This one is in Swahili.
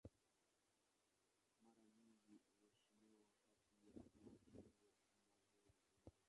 Mara nyingi huhesabiwa kati ya majengo mazuri duniani.